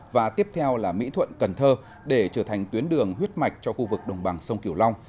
và tiếp theo là mỹ thuận cần thơ để trở thành tuyến đường huyết mạch cho khu vực đồng bằng sông kiểu long